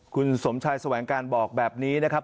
คุณสมชายแสวงการบอกแบบนี้นะครับ